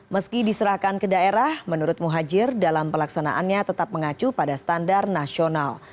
meski diserahkan ke daerah menurut muhajir dalam pelaksanaannya tetap mengacu pada standar nasional